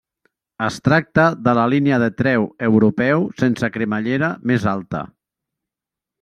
Es tracta de la línia de treu europeu sense cremallera més alta.